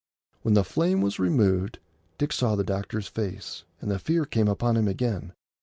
When the flame was removed, Dick saw the doctor's face, and the fear came upon him again.